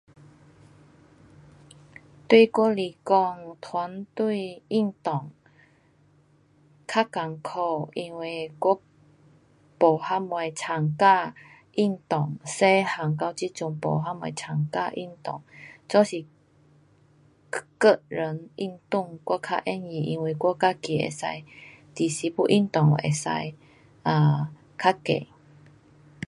对我来说，团对运动较困苦，因为我没什么参加运动。小个到这阵都没什么参加运动。只是个，个人运作我较容易，因为我自己知道几时要运动可以。较易。